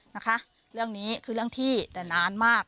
นะคะเรื่องนี้คือเรื่องที่แต่นานมาก